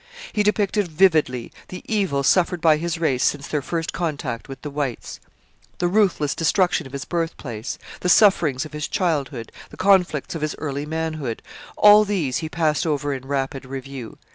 He depicted vividly the evils suffered by his race since their first contact with the whites. The ruthless destruction of his birthplace, the sufferings of his childhood, the conflicts of his early manhood all these he passed over in rapid review.